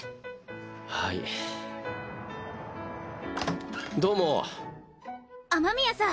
はいどうも雨宮さん